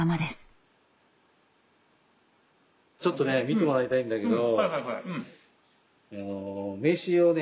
これちょっと渡して見てもらいたいんだけど。